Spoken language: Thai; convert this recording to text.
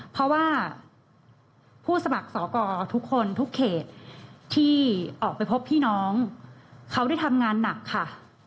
เพราะว่าผู้สมัครสอกรทุกคนทุกเขตที่ออกไปพบพี่น้องเขาได้ทำงานหนักค่ะ